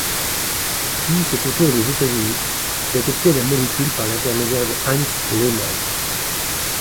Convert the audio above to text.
Puis c'est au tour des États-Unis d'adopter la molécule par l'intermédiaire de Heinz Lehmann.